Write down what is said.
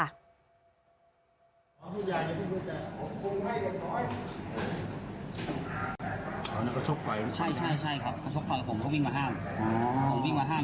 อันนี้ก็ชบไปใช่ใช่ใช่ครับก็ชบไปผมก็วิ่งมาห้ามอ๋อผมวิ่งมาห้าม